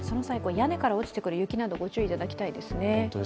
屋根から落ちてくる雪などご注意いただきたいですね。